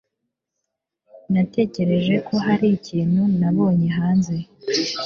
Natekereje ko hari ikintu nabonye hanze.